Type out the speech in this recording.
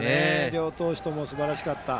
両投手ともすばらしかった。